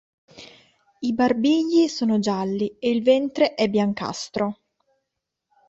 I barbigli sono gialli e il ventre è biancastro.